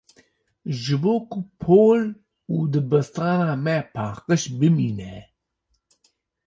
Ji bo ku pol û dibistana me paqij bimîne.